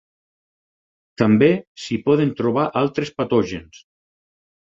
També s'hi poden trobar altres patògens.